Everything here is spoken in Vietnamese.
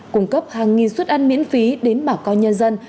cung cấp hàng nghìn xuất ăn miễn phí đến bảo co nhân dân